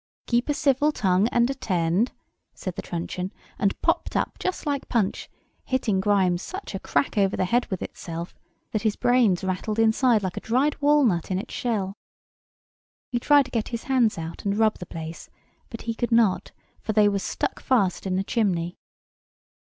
"Keep a civil tongue, and attend!" said the truncheon; and popped up just like Punch, hitting Grimes such a crack over the head with itself, that his brains rattled inside like a dried walnut in its shell. He tried to get his hands out, and rub the place: but he could not, for they were stuck fast in the chimney.